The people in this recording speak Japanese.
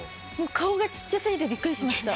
顔が小っちゃすぎてビックリしました。